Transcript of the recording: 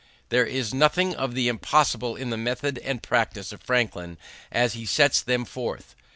There is nothing of the impossible in the method and practice of Franklin as he sets them forth.